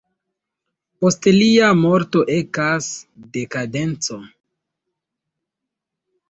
Post lia morto ekas dekadenco.